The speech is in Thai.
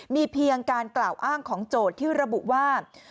มีเพียงการกล่าวอ้างของโจทย์ที่ระบุว่า